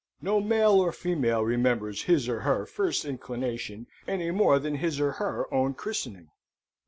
No male or female remembers his or her first inclination any more than his or her own christening.